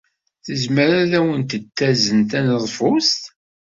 Tezmer ad awen-d-tazen taneḍfust?